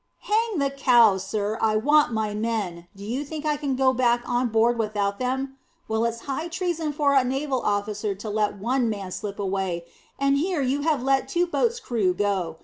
"Hang the cow, sir! I want my men. Do you think I can go back on board without them. Why, it's high treason for a naval officer to let one man slip away, and here you have let two boats' crews go.